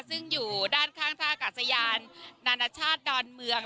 ซึ่งอยู่ด้านข้างท่ากาศยานนานาชาติดอนเมือง